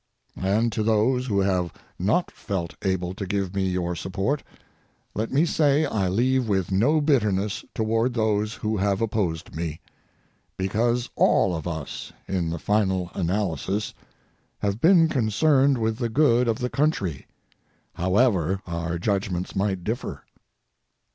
And to those who have not felt able to give me your support, let me say I leave with no bitterness toward those who have opposed me, because all of us, in the final analysis, have been concerned with the good of the country, however our judgments might differ.